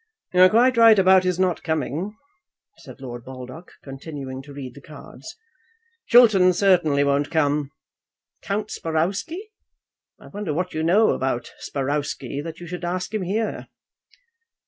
"You are quite right about his not coming," said Lord Baldock, continuing to read the cards; "Chiltern certainly won't come. Count Sparrowsky; I wonder what you know about Sparrowsky that you should ask him here."